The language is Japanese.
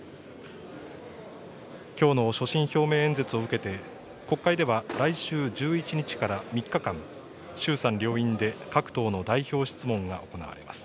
きょうの所信表明演説を受けて、国会では来週１１日から３日間、衆参両院で各党の代表質問が行われます。